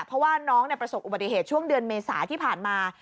เพราะว่าน้องประสบอุบัติเหตุช่วงเดือนเมษาที่ผ่านมา